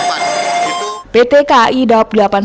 pt kai daerah operasional delapan surabaya